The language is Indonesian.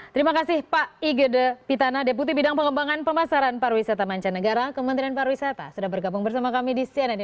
terima kasih pak igede pitana deputi bidang pengembangan pemasaran pariwisata mancanegara kementerian pariwisata sudah bergabung bersama kami di cnn indonesia